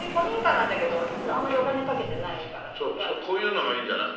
こういうのがいいんじゃない？